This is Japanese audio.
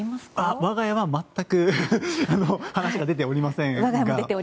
我が家は全く話が出ておりません。